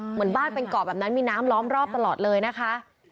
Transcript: เหมือนบ้านเป็นเกาะแบบนั้นมีน้ำล้อมรอบตลอดเลยนะคะ